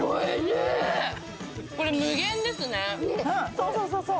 ⁉そうそうそうそう。